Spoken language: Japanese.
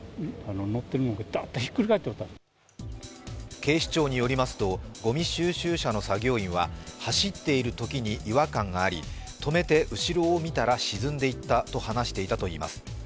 警視庁によりますと、ごみ収集車の作業員は走っているときに違和感があり、とめて後ろを見たら沈んでいったと話しています。